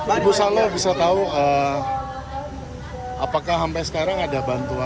ibu sano bisa tahu apakah sampai sekarang ada bantuan